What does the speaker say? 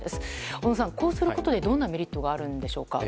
小野さん、こうすることでどんなメリットがあるんでしょうか？